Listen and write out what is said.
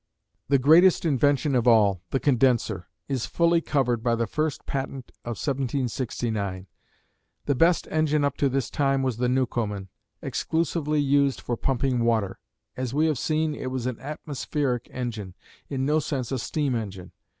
The greatest invention of all, the condenser, is fully covered by the first patent of 1769. The best engine up to this time was the Newcomen, exclusively used for pumping water. As we have seen, it was an atmospheric engine, in no sense a steam engine.